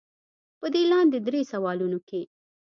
پۀ دې لاندې درې سوالونو کښې